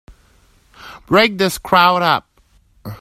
Break this crowd up!